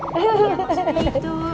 iya maksudnya itu